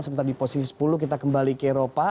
sementara di posisi sepuluh kita kembali ke eropa